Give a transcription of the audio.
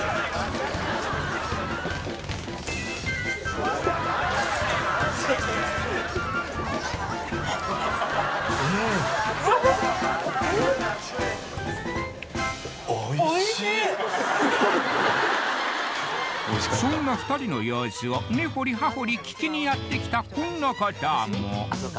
うんそんな２人の様子を根掘り葉掘り聞きにやってきたこんな方もあっそっか